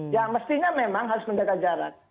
ya mestinya memang harus menjaga jarak